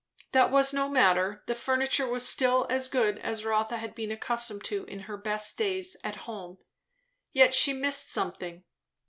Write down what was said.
That was no matter; the furniture was still as good as Rotha had been accustomed to in her best days, at home; yet she missed something.